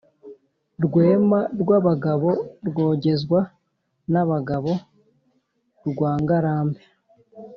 Rwema rw'abagabo rwogezwa n'abagabo rwa Ngarambe,